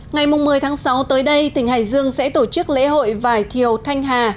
ngày một mươi tháng sáu tới đây tỉnh hải dương sẽ tổ chức lễ hội vài thiều thanh hà